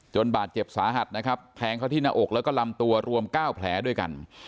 บาดเจ็บสาหัสนะครับแทงเขาที่หน้าอกแล้วก็ลำตัวรวม๙แผลด้วยกัน